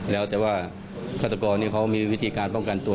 แล้วแต่ว่าฆาตกรนี้เขามีวิธีการป้องกันตัว